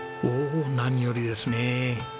おお何よりですねえ。